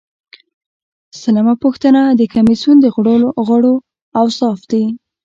سلمه پوښتنه د کمیسیون د غړو اوصاف دي.